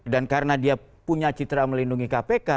dan karena dia punya citra melindungi kpk